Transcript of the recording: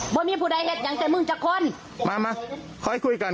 บอกพี่ชอวน